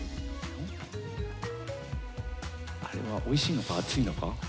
あれはおいしいのか熱いのか。